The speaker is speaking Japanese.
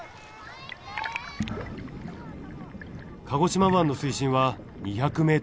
鹿児島湾の水深は２００ｍ。